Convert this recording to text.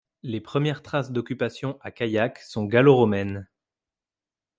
Les premières traces d'occupation à Caillac sont gallo-romaines.